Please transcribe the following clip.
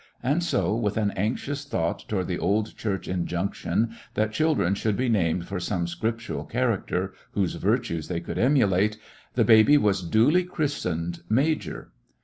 And so, with an anxious thought toward the old Church injunction that chil dren should be named for some scriptural character whose virtues they could emulate, the baby was duly christened "Major."